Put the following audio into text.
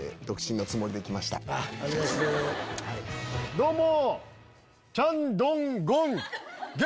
どうも！